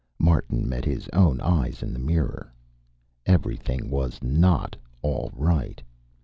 Martin met his own eyes in the mirror. Everything was not all right.